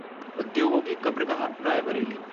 उद्योगों की कब्रगाह रायबरेली